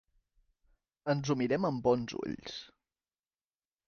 Ens ho mirem amb bons ulls.